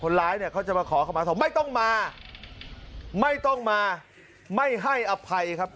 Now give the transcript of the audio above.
ร้ายเนี่ยเขาจะมาขอเข้ามาสมไม่ต้องมาไม่ต้องมาไม่ให้อภัยครับ